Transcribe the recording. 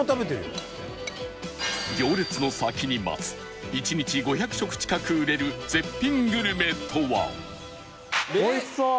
行列の先に待つ１日５００食近く売れる絶品グルメとは？